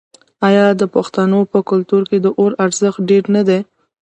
آیا د پښتنو په کلتور کې د اور ارزښت ډیر نه دی؟